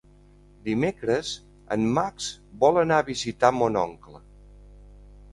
Dimecres en Max vol anar a visitar mon oncle.